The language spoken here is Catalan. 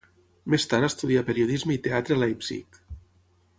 Més tard estudià periodisme i teatre a Leipzig.